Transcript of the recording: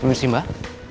kemudian sih mbak